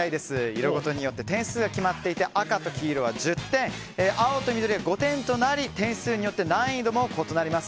色ごとによって点数決まっていて赤と黄色は１０点青と緑は５点となり点数によって難易度も異なります。